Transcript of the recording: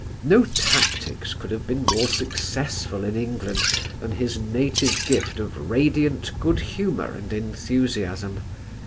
No tactics could have been more successful in England than his native gift of radiant good humour and enthusiasm.